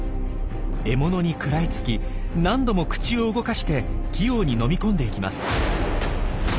獲物に食らいつき何度も口を動かして器用に飲み込んでいきます。